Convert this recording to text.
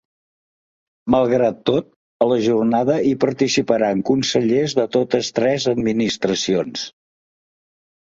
Malgrat tot, a la jornada hi participaran consellers de totes tres administracions.